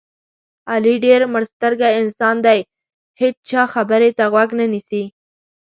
علي ډېر مړسترګی انسان دی دې هېچا خبرې ته غوږ نه نیسي.